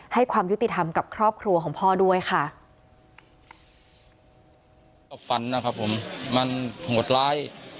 ให้ความยุติธรรมกับครอบครัวของพ่อด้วยค่ะ